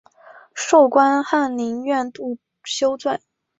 授官翰林院修撰。